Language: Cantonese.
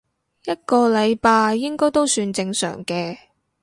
一個禮拜應該都算正常嘅